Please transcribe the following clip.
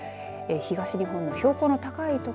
東日本の標高の高い所